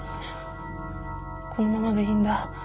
このままでいいんだ。